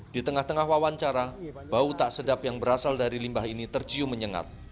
di tengah tengah wawancara bau tak sedap yang berasal dari limbah ini tercium menyengat